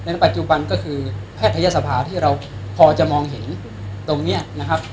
ปัจจุบันก็คือแพทยศภาที่เราพอจะมองเห็นตรงนี้นะครับ